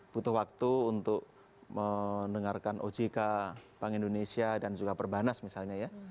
butuh waktu untuk mendengarkan ojk bank indonesia dan juga perbanas misalnya ya